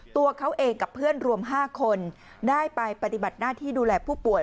ตัวเขาเองกับเพื่อนรวม๕คนได้ไปปฏิบัติหน้าที่ดูแลผู้ป่วย